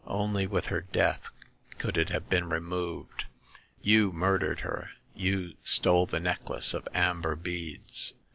Only with her death could it have been removed. You murdered her ; you stole the necklace of amber beads.''